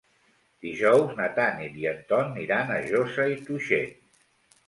Dijous na Tanit i en Ton iran a Josa i Tuixén.